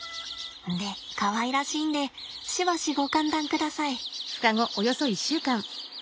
でかわいらしいんでしばしご歓談ください。